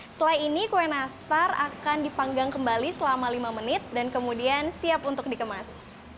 setelah ini kue nastar akan dipanggang kembali selama lima menit dan kemudian siap untuk dikemas